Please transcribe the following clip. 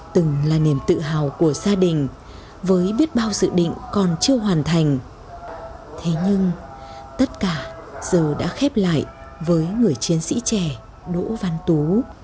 từng là niềm tự hào của gia đình với biết bao dự định còn chưa hoàn thành thế nhưng tất cả giờ đã khép lại với người chiến sĩ trẻ đỗ văn tú